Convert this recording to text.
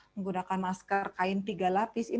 menggunakan masker kain tiga lapis